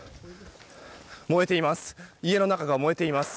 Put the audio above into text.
燃えています。